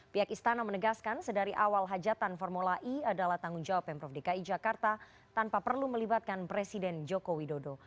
pihak istana menegaskan sedari awal hajatan formula e adalah tanggung jawab pemprov dki jakarta tanpa perlu melibatkan presiden joko widodo